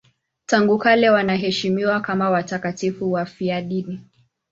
Tangu kale wanaheshimiwa kama watakatifu wafiadini.